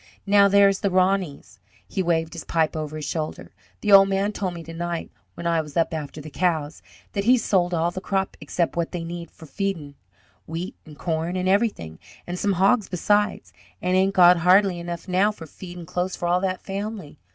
"Now, there's the Roneys," he waved his pipe over his shoulder. "The old man told me to night when I was up after the cows that he's sold all the crops except what they need for feedin' wheat, and corn, and everything, and some hogs besides and ain't got hardly enough now for feed and clothes for all that family.